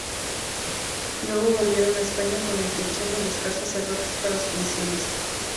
Luego volvieron a España con la intención de buscar sacerdotes para sus misiones.